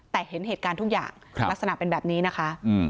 แต่เห็นเหตุการณ์ทุกอย่างลักษณะเป็นแบบนี้นะคะ